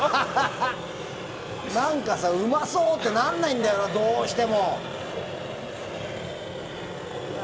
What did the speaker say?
うまそうってならないんだよなどうしても。